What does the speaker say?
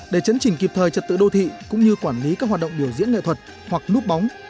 để chấn chỉnh kịp thời trật tự đô thị cũng như quản lý các hoạt động biểu diễn nghệ thuật hoặc núp bóng